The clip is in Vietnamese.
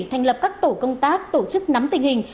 thành lập các tổ công tác tổ chức nắm tình hình